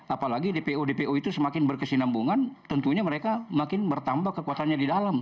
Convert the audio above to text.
apalagi dpo dpo itu semakin berkesinambungan tentunya mereka makin bertambah kekuatannya di dalam